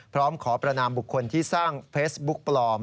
พร้อมขอประนามบุคคลที่สร้างเฟซบุ๊กปลอม